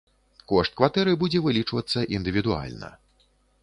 Кошт кватэры будзе вылічвацца індывідуальна.